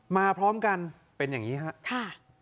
พร้อมกันเป็นอย่างนี้ครับ